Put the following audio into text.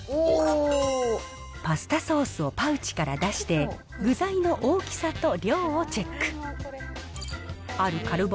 パスタソースをパウチから出して、具材の大きさと量をチェック。